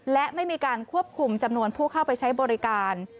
และไม่มีการควบคุมจำนวนผู้เข้าไปใช้บริการ